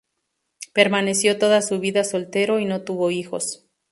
Permaneció toda su vida soltero y no tuvo hijos.